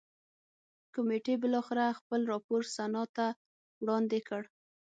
کمېټې بالاخره خپل راپور سنا ته وړاندې کړ.